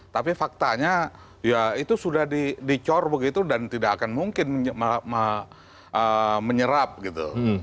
tapi faktanya ya itu sudah dicor begitu dan tidak akan mungkin menyerap gitu